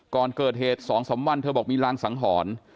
ก่อนเกิดเหตุสองสามวันเธอบอกมีรางสังหอน